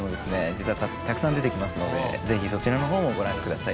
実はたくさん出てきますのでぜひそちらの方もご覧ください。